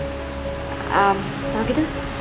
ehm kalau gitu